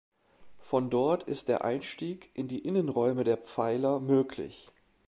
Von dort ist der Einstieg in die Innenräume der Pfeiler möglich.